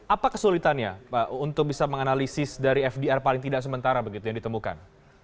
apa kesulitannya pak untuk bisa menganalisis dari fdr paling tidak sementara begitu yang ditemukan